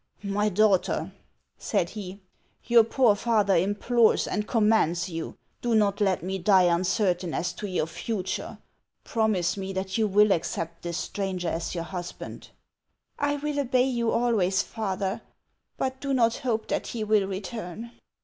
" My daughter," said he, " your poor father implores and commands you. Do not let me die uncertain as to your future ; promise me that you will accept this stranger as your husband." 414 HANS OF ICELAND. " I will obey you always, father ; but do not hope that he will return."